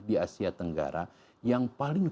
di asia tenggara yang paling